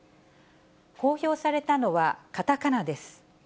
公表されたのは、かたかなです。